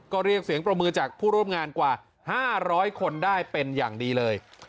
ก็เรียกเสียงปรบมือจากผู้ร่วมงานกว่า๕๐๐คนได้เป็นอย่างดีเลย